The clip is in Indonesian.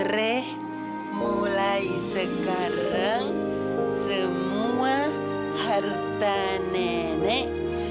reh mulai sekarang semua harta nenek